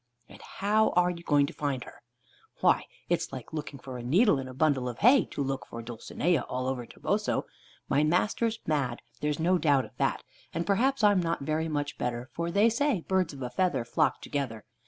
"And how are you going to find her?" "Why, it's like looking for a needle in a bundle of hay, to look for Dulcinea all over Toboso. My master's mad, there's no doubt of that; and perhaps I'm not very much better, for they say birds of a feather flock together.